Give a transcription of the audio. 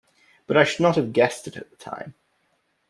But I should not have guessed it at the time.